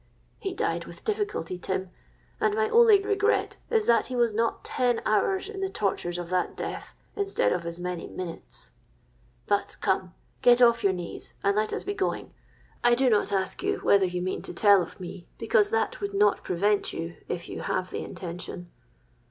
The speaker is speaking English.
He died with difficulty, Tim; and my only regret is that he was not ten hours in the tortures of that death, instead of as many minutes. But, come, get off your knees, and let us be going. I do not ask you whether you mean to tell of me, because that would not prevent you if you have the intention.'